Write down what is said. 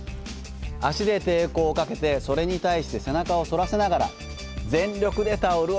足で抵抗をかけてそれに対して背中を反らせながら全力でタオルを引きます。